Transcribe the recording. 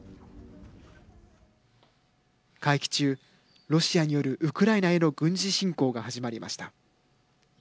会期中、ロシアによるウクライナへの軍事侵攻が始まりました。